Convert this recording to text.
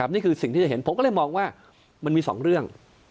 นี่คือสิ่งที่จะเห็นผมก็เลยมองว่ามันมี๒เรื่อง